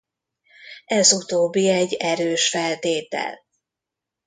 Ez utóbbi egy erős feltétel.